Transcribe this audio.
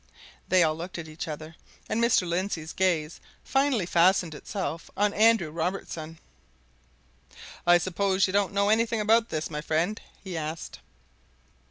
They all looked at each other, and Mr. Lindsey's gaze finally fastened itself on Andrew Robertson. "I suppose you don't know anything about this, my friend?" he asked.